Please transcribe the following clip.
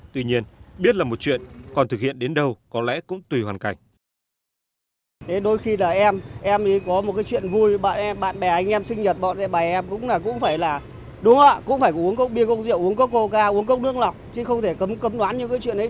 tuy nhiên biết là một chuyện còn thực hiện đến đâu có lẽ cũng tùy hoàn cảnh